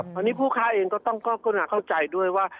ตอนนี้ผู้ค้าเองก็ต้องกรุณาเข้าใจด้วยว่า